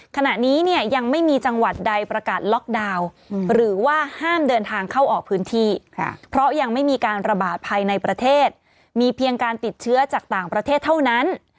ขณะนี้เนี่ยยังไม่มีจังหวัดใดประกาศล็อกดาวน์หรือว่าห้ามเดินทางเข้าออกพื้นที่เพราะยังไม่มีการระบาดภายในประเทศมีเพียงการติดเชื้อจากต่างประเทศเท่านั้น